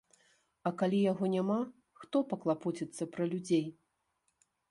А калі яго няма, хто паклапоціцца пра людзей?